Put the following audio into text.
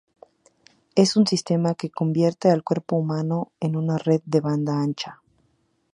es un sistema que convierte al cuerpo humano en una red de banda ancha